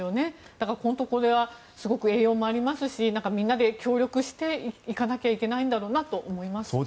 だから本当にすごく栄養もありますしみんなで協力していかなきゃいけないんだろうなと思います。